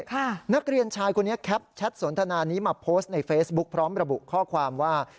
นักเรียนชายคนนี้แคปแชทสนทนานี้มาโพสต์ในเฟซบุ๊คพร้อมระบุข้อความว่า